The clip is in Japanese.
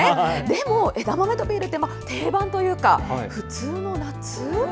でも枝豆とビールって定番というか、普通の夏？